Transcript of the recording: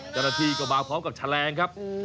เจ้านาธิเข้ามาพร้อมกับชะแรงครับ